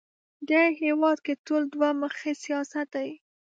دې هېواد کې ټول دوه مخی سیاست دی